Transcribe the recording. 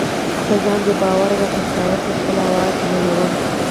که ځان بې باوره راته ښکاري خپل آواز لوړوم.